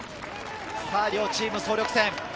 両チーム総力戦。